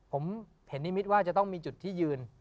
ผมเห็นนิมิตว่าจะต้องมีจุดที่ยืน